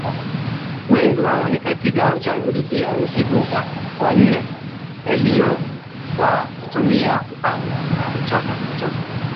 Wengi wao ni katika mashambulizi ya usiku wa manane yaliyofanywa kwa kutumia mapanga na mashoka